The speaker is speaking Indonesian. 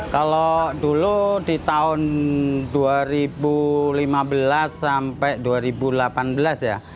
kalau dulu di tahun dua ribu lima belas sampai dua ribu delapan belas ya